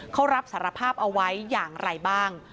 เขารับสารภาพเอาไว้อย่างไรบ้าง